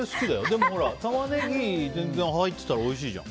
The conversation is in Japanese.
でも、タマネギ入ってたらおいしいじゃん。